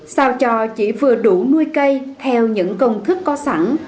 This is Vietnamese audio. xào trò chỉ vừa đủ nuôi cây theo những công thức có sẵn